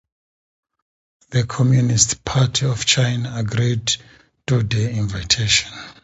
The Communist Party of China agreed to the invitation.